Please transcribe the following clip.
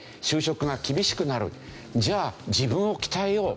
じゃあ自分を鍛えよう。